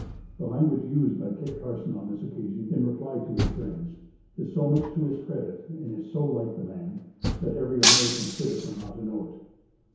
The language used by Kit Carson on this occasion, in reply to his friends, is so much to his credit and is so like the man, that every American citizen ought to know it.